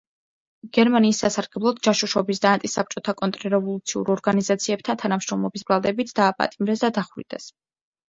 გერმანიის სასარგებლოდ ჯაშუშობის და ანტისაბჭოთა კონტრრევოლუციურ ორგანიზაციებთან თანამშრომლობის ბრალდებით დააპატიმრეს და დახვრიტეს.